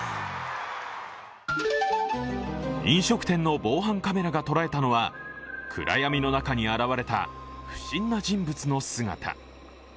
飲食店の防犯カメラが捉えたのは暗闇の中に現れた不審な人物の姿。